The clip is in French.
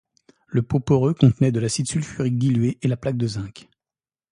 Le pot poreux contenait de l'acide sulfurique dilué et la plaque de zinc.